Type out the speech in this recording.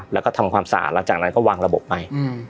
แล้วก็ทำความสะอาดหลังจากนั้นก็วางระบบไป